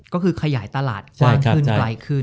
ก็คือขยายตลาดกว้างขึ้นไกลขึ้น